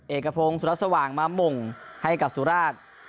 เอกพงศ์สุรัสสว่างมาหม่งให้กับสุราช